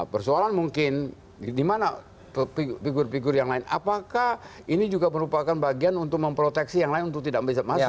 persoalan mungkin di mana figur figur yang lain apakah ini juga merupakan bagian untuk memproteksi yang lain untuk tidak bisa masuk